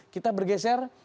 kita bergeser ke posisi kelima